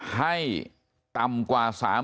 ให้ต่ำกว่า